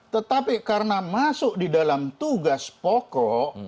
tetapi karena masuk di dalam tugas pokok